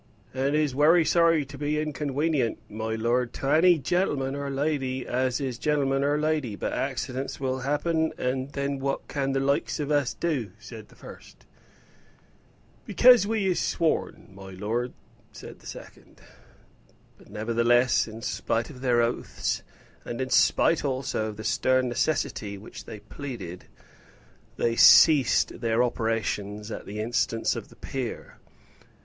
"And is wery sorry to be unconwenient, my lord, to any gen'leman or lady as is a gen'leman or lady. But accidents will happen, and then what can the likes of us do?" said the first. "Because we is sworn, my lord," said the second. But, nevertheless, in spite of their oaths, and in spite also of the stern necessity which they pleaded, they ceased their operations at the instance of the peer.